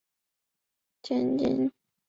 球穗千斤拔为豆科千斤拔属下的一个种。